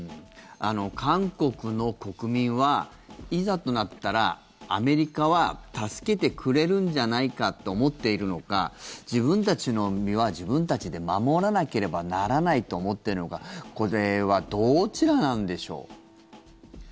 韓国の国民はいざとなったらアメリカは助けてくれるんじゃないかと思っているのか自分たちの身は自分たちで守らなければならないと思っているのかこれはどちらなんでしょう？